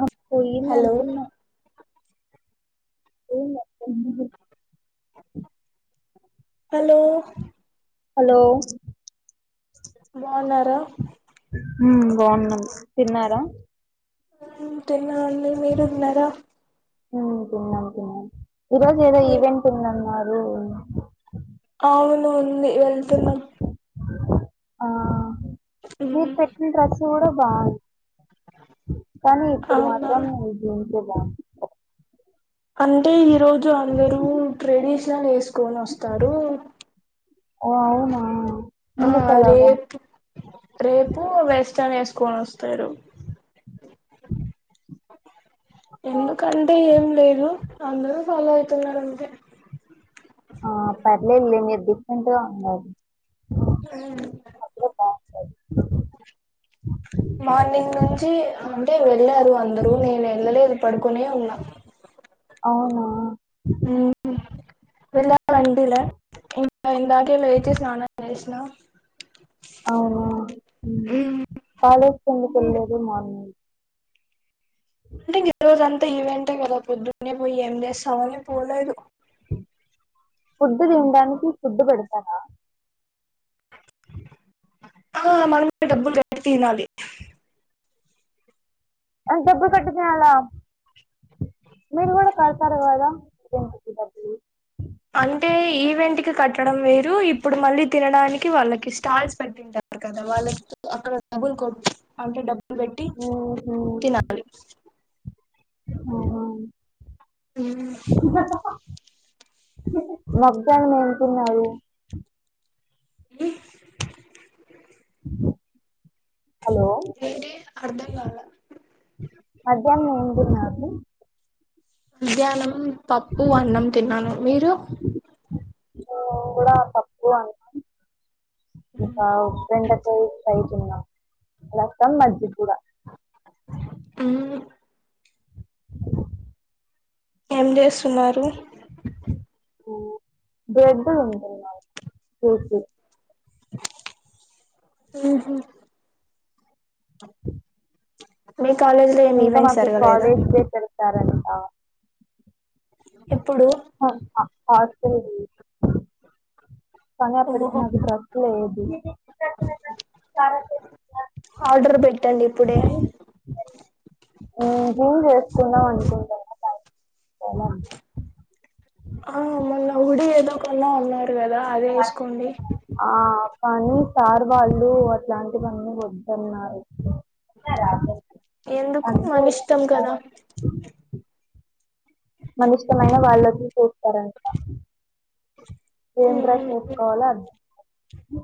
ఆ పోయింది హలో అనుకున్నా పోయింద హూ హు హలో హలో బాన్నారా ఉమ్ బావునం తిన్నార ఉమ్ తినమండి మీరూ తిన్నారా ఉమ్ తిన్నానమ్ తిన్నాం ఈరోజు ఏదో ఈవెంట్ ఉందన్నారు అవును ఉంది వెళ్తున్నాం ఆ మీరు పెట్టిన డ్రెస్ కూడా బావుంది కానీ ఇప్పుడు అవునా మాత్రం జీన్స్ ఎ బావుంది అంటే ఈరోజు అందరూ ట్రెడిషనల్ ఎసుకొని వస్తారు ఓ అవునా ఆ ఎందుకలాగా రేప్ రేపు ఎసుక్ కోస్తారు అ ఎందుకంటే ఏం లేదు అందరూ ఫాలో అవుతున్నారు అంతే ఆ పర్లేలే మీరు డిఫరెంట్ గా ఉండాలి ఉమ్ బాగుంటది మార్నింగ్ నుంచి అంటే వెళ్ళారు అందరూ నేను వెళ్ళలేదు పడుకునే ఉన్నా అవునా వెళ్లాలనిపిలే ఇందాకే లేచి స్నానం చేసిన అవునా ఉమ్ కాాలేజ్ కి ఎందుకు వెళ్లలేదు మార్నింగ్ అంటే ఈ రోజ అంతా ఈవెంటే కదా పొద్దునే పోయి ఏం చేస్తావని పోలేదు ఫుడ్డు తినడానికి ఫుడ్డు పెడతార ఆ మనమేతే డబ్బులు కట్టి తినాలి అ డబ్బులు కట్టి తినాలా మీరు కూడా కడతారు కదా అంటే ఈవెంట్ కి కట్టడం వేరు ఇప్పుడు మళ్ళీ తినడానికి వాళ్ళకి స్టాల్స్ పెట్టింటారు కదా వాళ్ళకి ఆక్ డబ్బులు కొట్ అంటే డబ్బులు పెట్టి ఊహు, తినాలి ఆహ ఉం మక్దం తింటున్నారు హలో ఏంటి అర్ధం కాల మధ్యాహ్నం ఏం తినవు అబి మధ్యాహ్నం పప్పు అన్నం తిన్నాను మీరు మేము కూడా పప్పు అన్నం ఇంకా బెండకాయ ఫ్రై తినం రసం మజ్జిగ కూడా ఉం ఏం చేస్తున్నారు బ్రెడ్ తింటున్నను కూర్చోని ఉహు బ ఇంకా మాకి కాలేజ్ డే పెడతారనట ఎప్పుడు హా హాస్టల్ వి కానీ అప్పడికి ఓహో నాకు డ్రెస్ లేదు ఆర్డర్ పెట్టండి ఇప్పుడే ఉమ్ జీన్స్ వేసుకుందాం అనుకుంటున్న ఉంతకు ఆ మొన్న హుడీ ఏదో కొన్నా అన్నారు కదా అదే వేసుకోండి ఆ! కానీ సార్ వాళ్ళు అట్లాంటివన్నీ వద్దన్నారు ఎందుకు అంటే మన ఇష్టం కదా మనిష్టమైన వాళ్ళు వచ్చి చూస్తారంట ఏం డ్రెస్ వేసుకోవలో అర్థం కావట్లే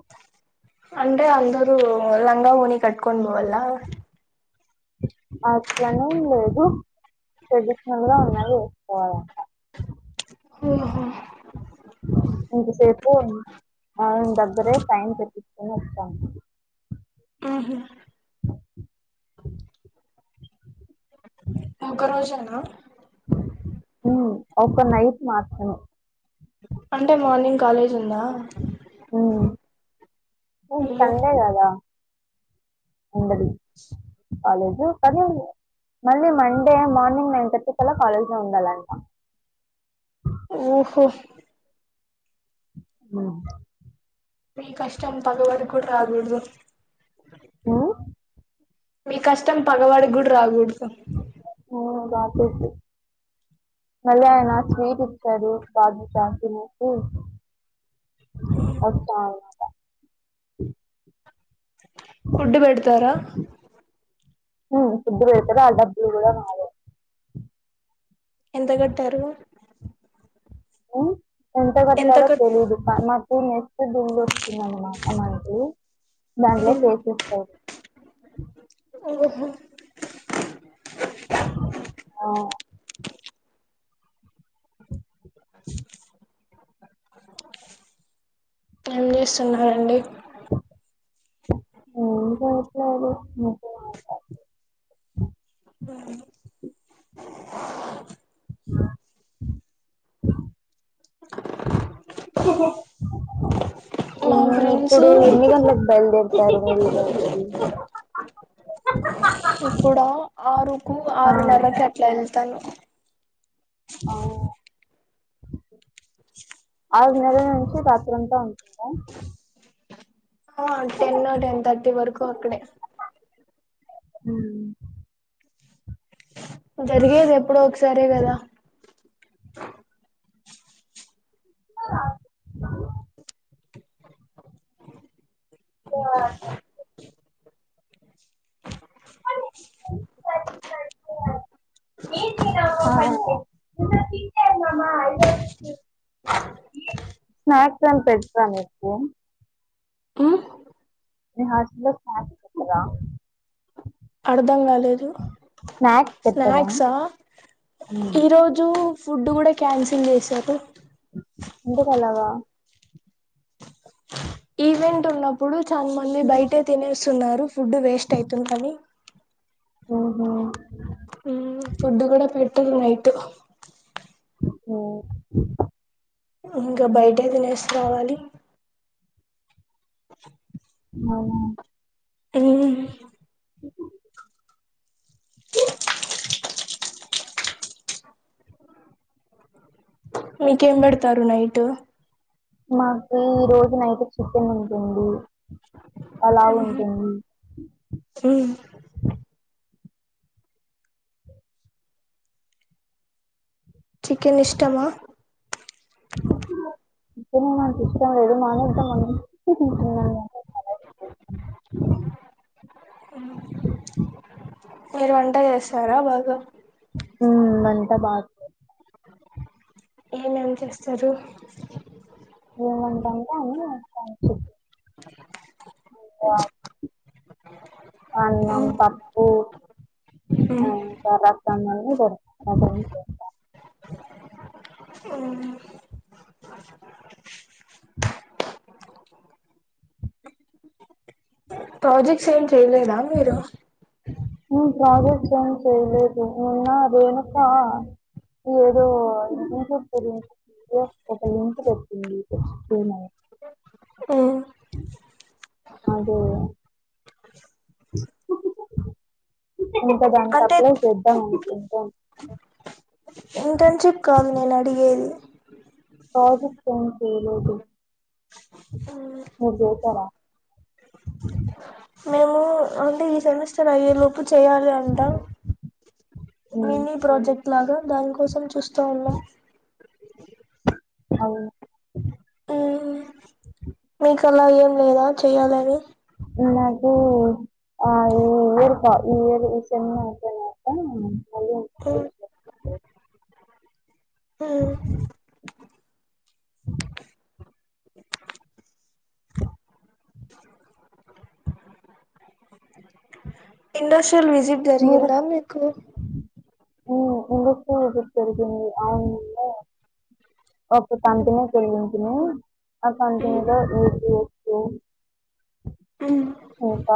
అంటే అందరు లంగా ఓని కట్కొని పోవల అట్లా అని ఏం లేదు ట్రేడిషనల్ ఉన్నయి వేసుకోవాలంట ఓహో ఓ ఆయన దగ్గరే సైన్స్ చేపించుకొని వచ్చాం ఆహ ఒక రోజేనా ఉం నైట్ మాత్రమే అంటే మార్నింగ్ కాలేజ్ ఉందా హ్మ్ అయ్యో సండే కదా అవు [inaudible] కాలేజు కాని మళ్ళీ మండే మార్నింగ్ నైన్ థర్టీ కల్లా కాలేజ్ లో ఉండాలంట ఉహూ ఆ మీ కష్టం పగ వాడికి కూడా రాకుడదు ఆ మీ కష్టం పగవాడికి కూడా రాకూడదు అ రాకూడదు మళ్ళీ ఆయన స్వీట్ ఇచ్చాడు బాదుషా తినేసి అ వస్తా నా అట ఫుడ్ పెడతారా హ ఫుడ్ పెతారు అ డబ్బులు కూడా మావే ఎంత కట్టారు ఉమ్ ఎంత గట్టారో తెలిదు పా మాకు దింగ అండి మనకి దాంట్లో ఏం చేసి ఇస్తారు అ ఓహో అ [inaudible] ఏం చేస్తున్నారండి ఏం చెయ్యడం లేదు మీతో మాట్లడత్న వెళ్ళు [inaudible] ఇ మా మ్మ్ ఫ్రెండ్స్ ఇప్పుడు ఎన్ని గంటలకు బయలుదేర్తారు మీరు ఇంటికి ఇప్పుడ ఆరుకు ఆ, ఆరున్నరకు అట్లా ఎళ్తాను ఆ ఆరున్నర నుంచి రాత్రంతా ఉంటుంద ఆ టెన్ టెన్ థర్టీ వరకు అక్కడే మ్మ్ జరిగేది ఎప్పుడో ఒకసారే కదా అ [inaudible] ఆ ఇ తింటాయిమ్ మమ్మా ఐద స్నాక్స్ ఏం పెట్టర నీకు మీ హాస్టల్లో కాఫీ పెట్టర అర్ధం కాలేదు స్నాక్స్ పెట్టరా స్నాక్స్ ఆ ఈరోజు ఫుడ్ కూడా క్యాన్సిల్ చేస్ సరు ఎందుకు అలగా ఈవెంట్ ఉన్నప్పుడు చాలా మంది బయటే తినేస్తున్నారు ఫుడ్ వేస్ట్ అయితుంది అని ఓహో ఫుడ్ కూడా పెట్టరు నైట్ ఓ ఇంకా బయటె తినేసి రావాలి [inaudible] అవునా ఎలిన్ [inaudible] వా మీకేం పెడతారు నైట్ మాకు ఈ రోజు నైట్ చికెన్ ఉంటుంది అలా ఉంటుంది చికెన్ ఇష్టమా అ చికెను నాకు ఇష్టం లేదు మానేద్దమనుకొని తింటున్నాను అ ఆ మీరు వంట చేస్తారా బాగా మ్మ్ అంతా బా ఏమేం చేస్తారు ఏమేంటంటే అన్ని చేస్తాను చికెన్ ఇంగ అన్నం పప్పు ఆ కాలొస్తాందని దర్ [inaudible] చేస్త మ్మ్ ఉ ప్రాజెక్ట్ సెండ్ చైలేదా మీరు ప్రాజెక్ట్ సెండ్ చేయలేదు నిన్న రేణుకా ఈ ఏదో మెసేజ్ పెట్టింది ఒక లింక్ పెట్టింది మర్చిపోయిన అ అదే ఇంక దానికి అంటే అప్లై చేద్దం అనుకున్ ఇంటర్న్షిప్ కాదు నేను అడిగేది ప్రాజెక్టు ఏం చేయలేదు మీరు చేశారా మేము అంటే ఈ సెమిస్టర్ అయ్యే లోపు చెయ్యాలి అంటా మ్మ్, మినీ ప్రాజెక్ట్ లాగా దాని కోసం చూస్తూ ఉన్నా అవును మీకు అలా ఏం లేదా చెయ్యాలని ఇ నాకి ఆ ఈ ఏరుపా ఈ ఏది ఈ సెమ్ అయిపోయినాక మళ్ళీ ఉమ్ ఇంటర్న్షిప్ ఉమ్ ఇండస్ట్రియల్ విజిట్ జరిగిందా మీకు ఉమ్ ఇండస్ట్రియల్ విసిట్ జరిగింది ఆ ఓకే కంటిన్యూ చేయంచున అ కంటిన్యూలొ [inaudible] అ నుప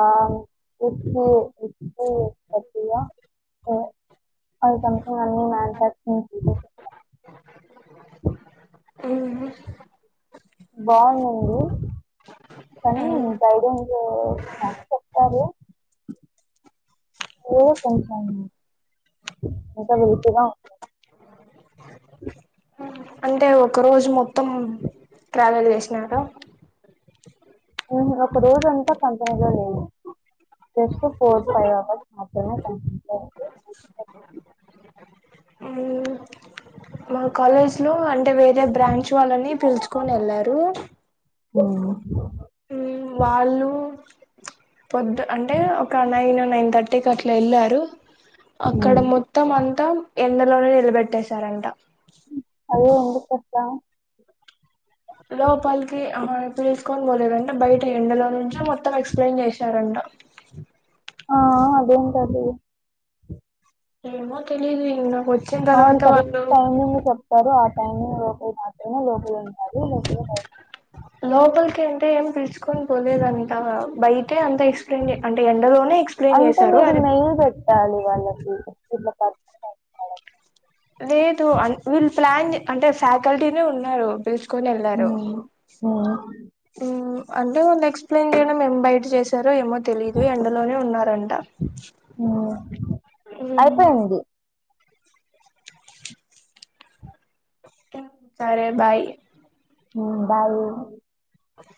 ఇచ్చి ఇచ్చి ఆ సంథింగ్ అన్ని మాన్యుఫాక్చరింగ్ బాగునింది కానీ గైడెన్స్ మాకు చెప్పారు కానీ కొంచెం బెటరు అంటే ఒక రోజు మొత్తం ట్రావెల్ చేసినాక ఒక రోజంతా పంతనిగా నేను జస్ట్ ఫోర్ ఫైవ్ అవర్స్ మాత్రమే [inaudible] అ మా కాలేజ్ లో అంటే వేరే బ్రాంచ్ వాళ్ళని పిల్చుకోని వెళ్లారు ఆ వాళ్ళు పొద్ద్ అంటే ఒక నైన్ నైన్ థర్టీకి అట్లా ఎళ్ళారు అక్కడ మొత్తం అంతా ఎండలోనే నిలబెట్టేశారంట అదే ఎందుకొస్త లోపల్కి ఆ తీస్కో పోలేదంట బయట ఎండలో నుంచి మొత్తం ఎక్స్ప్లెయిన్ చేశారంట ఆ ఆ దేనికదే ఏమో తెలీదు ఏమ్న అవును కరెక్ట్ అయిందని చెప్తారు లోపల మాత్రమే లోపలుంటారు లోపలికి అంటే ఏం పిల్చుకొని పోలేదంట అంటే అంత ఎక్స్ప్లెయిన్ అంటే ఎండలోనే ఎక్స్ప్లెయిన్ అంటే జేశారు మీరు అది [unintelligible] వాళ్ళకి ఇట్ల లేదు ఆ విల్లు ప్లాన్ అంటే ఫ్యాకల్టీనే ఉన్నారు పిల్చుకొని ఎల్లారు ఉమ్ ఉమ్ ఆ అంటే వాళ్లు ఎక్స్ప్లెయిన్ జెయడం మేం బయట జేసా రే ఏమో తెలీదు ఎండలోనే ఉన్నారంట అయిపెంది సరే బాయ్ మ్ బాయీ అద